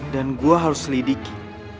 dan gue harus selidiki